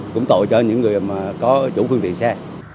cũng tội cho những người mà có chủ phương tiện xe